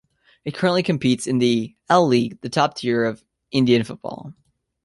It currently competes in the I-League, the top tier of Indian football.